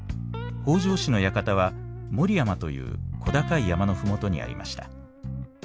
北条氏の館は守山という小高い山の麓にありました。